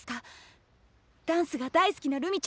ダンスが大好きなるみちゃんの夢